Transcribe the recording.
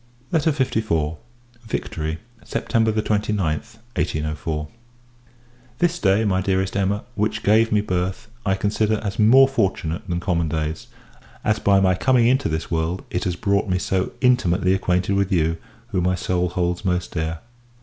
LETTER LIV. Victory, September 29th, 1804. This day, my dearest Emma, which gave me birth, I consider as more fortunate than common days; as, by my coming into this world, it has brought me so intimately acquainted with you, who my soul holds most dear.